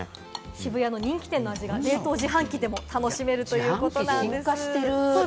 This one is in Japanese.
渋谷の人気店の味が冷凍自販機で楽しめるということです。